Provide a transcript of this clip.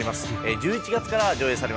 １１月から上演されます。